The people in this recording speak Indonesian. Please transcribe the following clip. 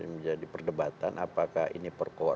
menjadi perdebatan apakah ini